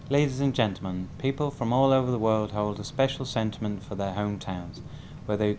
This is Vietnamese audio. một người giám đốc của hà tây